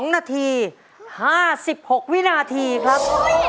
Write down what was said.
๒นาที๕๖วินาทีครับ